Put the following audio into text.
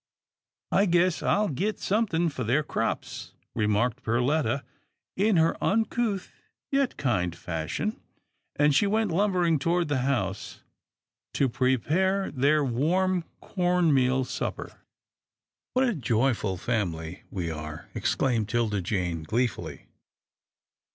" I guess I'll git somethin' for their crops," re marked Perletta in her uncouth yet kind fashion, and she went lumbering toward the house to pre pare their warm corn meal supper. "What a joyful family we are!" exclaimed 'Tilda Jane gleefully.